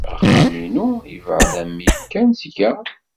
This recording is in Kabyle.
Axxam-inu yebɛed amil kan seg-a.